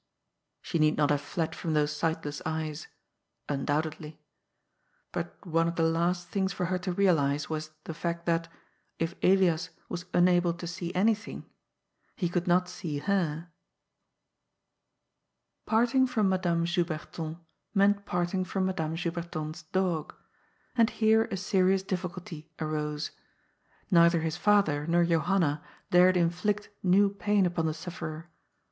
She need not have fled from those sightless eyes. Un doubtedly. But one of the last things for her to realize was the fact that, if Elias was unable to see anything, he could not see her. Parting from Madame Juberton meant parting from Madame Juberton's dog. And here a serious difficulty arose. Neither his father nor Johanna dared inflict new pain upon the sufllerer.